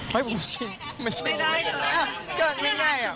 ก็ง่ายอ่ะ